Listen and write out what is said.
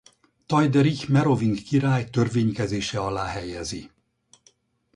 Theuderich meroving király törvénykezése alá helyezi.